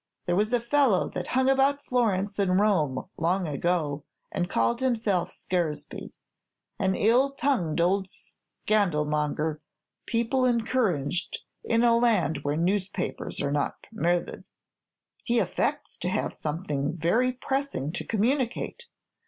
There was a fellow that hung about Florence and Rome long ago, and called himself Scaresby; an ill tongued old scandal monger people encouraged in a land where newspapers are not permitted." "He affects to have something very pressing to communicate.